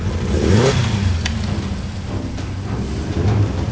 えっ？